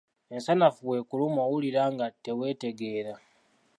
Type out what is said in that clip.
Ensanafu bw'ekuluma owulira nga teweetegeera.